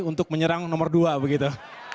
untuk menyerang nomor dua begitu